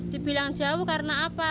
dibilang jauh karena apa